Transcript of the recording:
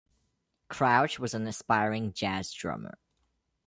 Crouch was an aspiring jazz drummer.